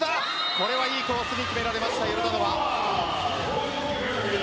これはいいコースに決められましたヨルダノバ。